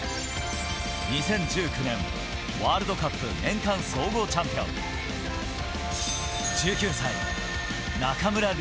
２０１９年ワールドカップ年間総合チャンピオン、１９歳、中村輪